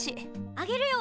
あげるよ！